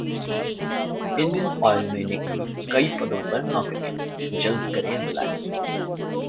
Indian Oil में निकली कई पदों पर नौकरियां, जल्द करें अप्लाई